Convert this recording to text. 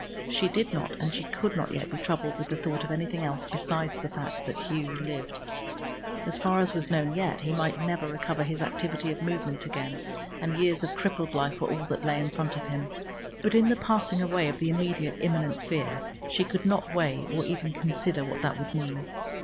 She did not and she could not yet be troubled with the thought of anything else besides the fact that Hugh lived. As far as was known yet, he might never recover his activity of movement again, and years of crippled life were all that lay in front of him; but in the passing away of the immediate imminent fear, she could not weigh or even consider what that would mean.